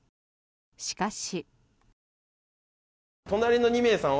しかし。